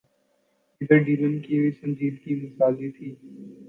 ادھر ڈیلن کی سنجیدگی مثالی تھی۔